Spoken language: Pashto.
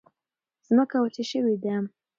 ځمکه وچه شوې ده.